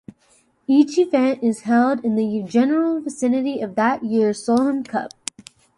Each event is held in the general vicinity of that year's Solheim Cup.